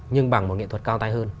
nhưng bằng một nghệ thuật cao tay hơn